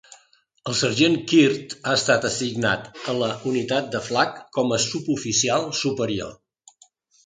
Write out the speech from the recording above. El sergent Quirt ha estat assignat a la unitat de Flagg com a suboficial superior.